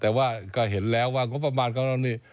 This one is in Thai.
แต่ว่าก็เห็นแล้วว่างบประมาณของเรานี่